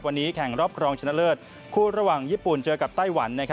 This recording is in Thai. วันนี้แข่งรอบรองชนะเลิศคู่ระหว่างญี่ปุ่นเจอกับไต้หวัน